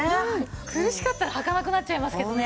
苦しかったらはかなくなっちゃいますけどね